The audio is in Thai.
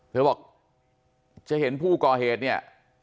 เธอบอกจะเห็นผู้ก่อเหตุเนี่ย